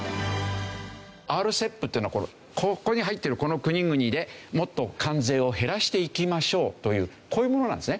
ＲＣＥＰっていうのはここに入っているこの国々でもっと関税を減らしていきましょうというこういうものなんですね。